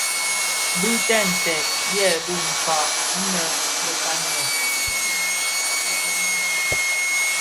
Bintèd nted byebi kpäg anë bekan lè.